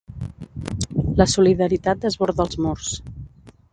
La solidaritat desborda els murs.